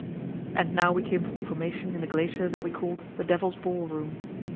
And now we came to the formation in the glacier that we called the Devil's Ballroom.